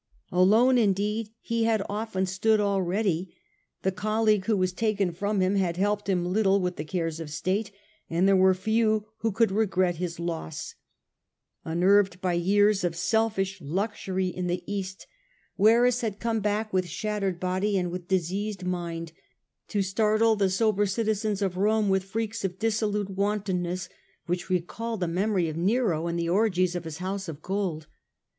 Alone indeed he had often stood already ; the colleague who was taken from him had helped him little with the cares of state, and there were few who could regret his loss. Unnerved by years of selfish luxury in the East, are checked by the spread of the plague, to health. i47 i8o. Marcus Aurelius Antoninus. 99 Verus had come back with shattered body and with diseased mind to startle the sober citizens of Rome with freaks of dissolute wantonness which recalled the memory of Nero and the orgies of his House of Gold.